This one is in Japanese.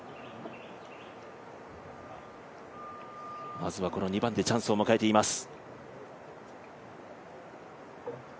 まずは２番でチャンスを迎えています。